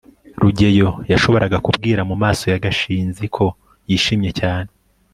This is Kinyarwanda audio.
rugeyo yashoboraga kubwira mumaso ya gashinzi ko yishimye cyane